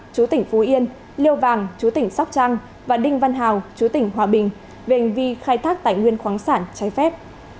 chú tỉnh phú yên liêu vàng chú tỉnh sóc trăng và đinh văn hào chú tỉnh hòa bình về hành vi khai thác tài nguyên khoáng sản trái phép